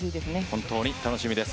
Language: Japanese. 本当に楽しみです。